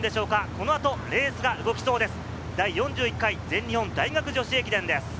この後、レースが動きそうです。